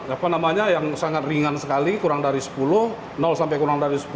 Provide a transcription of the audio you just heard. apa namanya yang sangat ringan sekali kurang dari sepuluh sampai kurang dari sepuluh